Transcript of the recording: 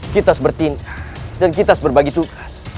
kita sepertinya dan kita seberbagi tugas